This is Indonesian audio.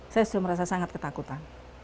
saya sudah merasa sangat ketakutan